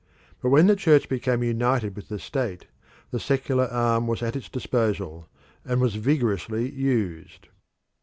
But when the Church became united with the state, the secular arm was at its disposal, and was vigorously used.